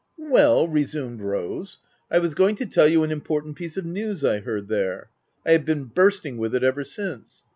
" Well," resumed Rose ;" I was going to tell you an important piece of news I heard there — I've been bursting with it ever since.